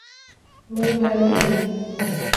ملک بھر میں تین